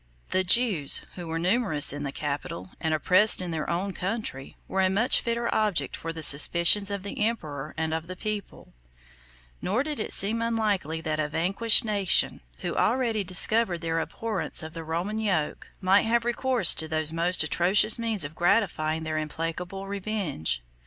The Jews, who were numerous in the capital, and oppressed in their own country, were a much fitter object for the suspicions of the emperor and of the people: nor did it seem unlikely that a vanquished nation, who already discovered their abhorrence of the Roman yoke, might have recourse to the most atrocious means of gratifying their implacable revenge.